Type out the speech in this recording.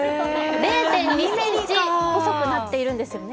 ０．２ｃｍ細くなってるんですよね。